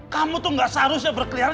kamu tuh gak seharusnya berkeliaran